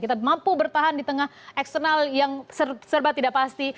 kita mampu bertahan di tengah eksternal yang serba tidak pasti